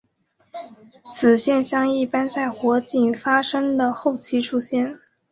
此现象一般在火警发生的后期出现。